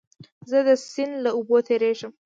زه د سیند له اوبو تېرېږم.